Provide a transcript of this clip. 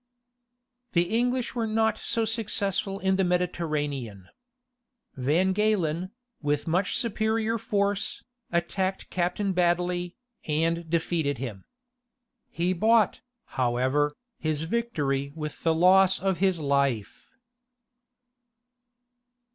The English were not so successful in the Mediterranean. Van Galen, with much superior force, attacked Captain Badily, and defeated him. He bought, however, his victory with the loss of his life.